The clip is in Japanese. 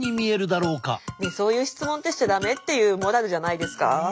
そういう質問ってしちゃ駄目っていうモラルじゃないですか？